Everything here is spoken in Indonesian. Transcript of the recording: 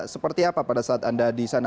seperti apa pada saat anda di sana